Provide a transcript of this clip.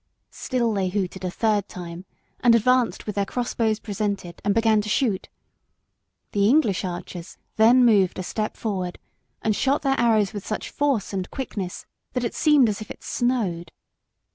Still they hooted a third time, and advanced with their crossbows presented and began to shoot. The English archers then moved a step forward and shot their arrows with such force and quickness that it seemed as if it snowed.